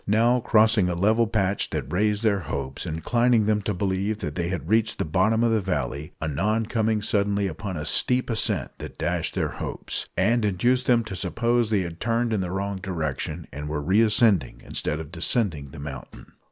Now crossing a level patch that raised their hopes, inclining them to believe that they had reached the bottom of the valley; anon coming suddenly upon a steep ascent that dashed their hopes, and induced them to suppose they had turned in the wrong direction, and were re ascending instead of descending the mountain.